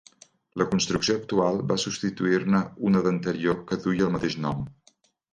La construcció actual va substituir-ne una d'anterior que duia el mateix nom.